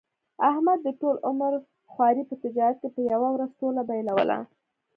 احمد د ټول عمر خواري په تجارت کې په یوه ورځ ټوله بایلوله.